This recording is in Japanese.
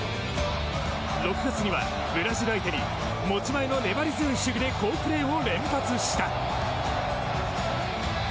６月にはブラジル相手に持ち前の粘り強い守備で好プレーを連発した。